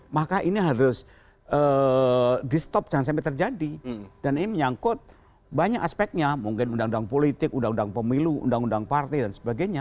maka ini harus di stop jangan sampai terjadi dan ini menyangkut banyak aspeknya mungkin undang undang politik undang undang pemilu undang undang partai dan sebagainya